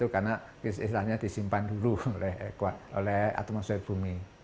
karena peristiwanya disimpan dulu oleh atmosfer bumi